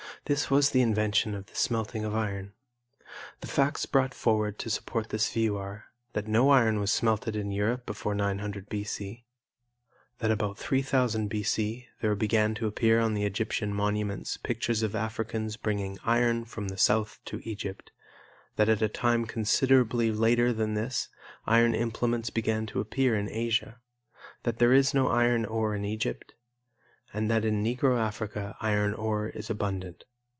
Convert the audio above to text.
This was the invention of the smelting of iron. The facts brought forward to support this view are: that no iron was smelted in Europe before 900 B.C.; that about 3000 B.C., there began to appear on the Egyptian monuments pictures of Africans bringing iron from the South to Egypt; that at a time considerably later than this iron implements began to appear in Asia; that there is no iron ore in Egypt; and that in Negro Africa iron ore is abundant.